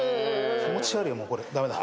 気持ち悪いよもうこれ駄目だ。